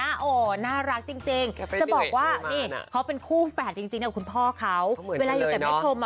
โอ้โหน่ารักจริงจะบอกว่านี่เขาเป็นคู่แฝดจริงกับคุณพ่อเขาเวลาอยู่กับแม่ชมอ่ะ